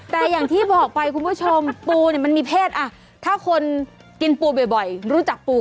แต่อย่างที่บอกไปคุณผู้ชมปูเนี่ยมันมีเพศถ้าคนกินปูบ่อยรู้จักปู